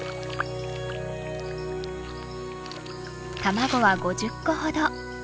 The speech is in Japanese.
卵は５０個ほど。